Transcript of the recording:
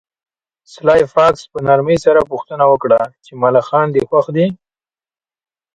سلای فاکس په نرمۍ سره پوښتنه وکړه چې ملخان دې خوښ دي